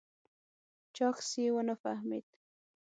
چاکېس یې و نه فهمېد.